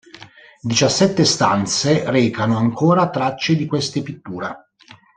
Diciassette stanze recano ancora tracce di queste pitture.